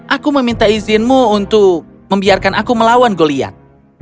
aku meminta izinmu untuk membiarkan aku melawan goliat